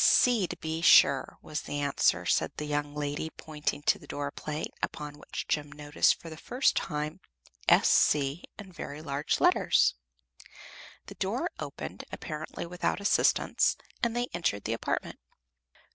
"S.C., to be sure," was the answer, as the young lady pointed to the door plate, upon which Jem noticed, for the first time, "S.C." in very large letters. The door opened, apparently without assistance, and they entered the apartment.